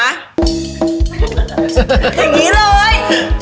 อย่างนี้เลย